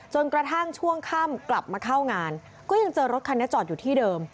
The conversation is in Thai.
กระทั่งช่วงค่ำกลับมาเข้างานก็ยังเจอรถคันนี้จอดอยู่ที่เดิม